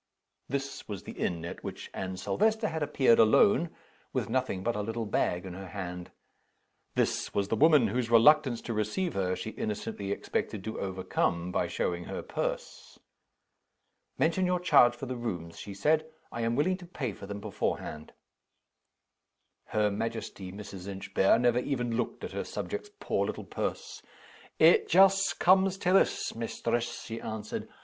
This was the inn at which Anne Silvester had appeared alone, with nothing but a little bag in her hand. This was the woman whose reluctance to receive her she innocently expected to overcome by showing her purse. "Mention your charge for the rooms," she said. "I am willing to pay for them beforehand." Her majesty, Mrs. Inchbare, never even looked at her subject's poor little purse. "It just comes to this, mistress," she answered.